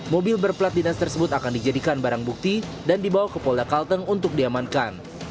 mobil berplat dinas tersebut akan dijadikan barang bukti dan dibawa ke polda kalteng untuk diamankan